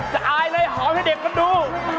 อายเลยหอมให้เด็กมันดู